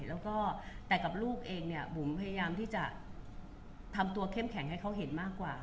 แล้วก็แต่กับลูกเองเนี่ยบุ๋มพยายามที่จะทำตัวเข้มแข็งให้เขาเห็นมากกว่า